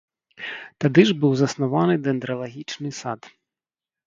Тады ж быў заснаваны дэндралагічны сад.